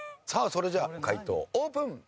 さあそれじゃあ解答オープン！